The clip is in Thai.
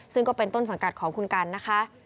ซึ่งก็เป็นต้นสังกัดของคุณกันนะคะ